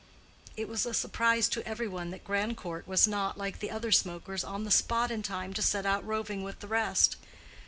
It was a surprise to every one that Grandcourt was not, like the other smokers, on the spot in time to set out roving with the rest.